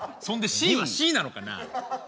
そんでＣはＣなのかな？